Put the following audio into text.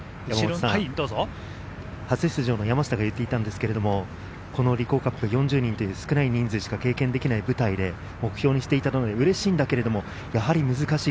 初出場の山下が言っていたんですが、リコーカップ、４０人という少ない人数しか経験できない舞台で、目標にしていたのでうれしいが、やはり難しい。